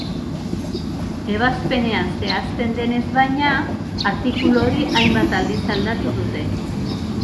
Ebazpenean zehazten denez baina, artikulu hori hainbat aldiz aldatu dute.